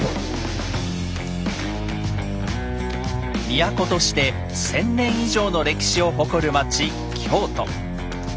都として１，０００年以上の歴史を誇る町京都。